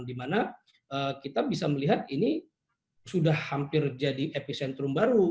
dimana kita bisa melihat ini sudah hampir jadi epicentrum baru